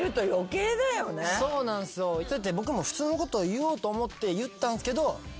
僕も普通のことを言おうと思って言ったんすけど。